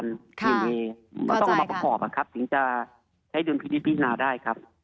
มันต้องมาประกอบกันครับถึงจะใช้ดนตรีพิจารณาได้ครับ